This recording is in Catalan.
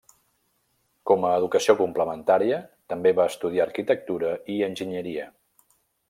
Com a educació complementària, també va estudiar arquitectura i enginyeria.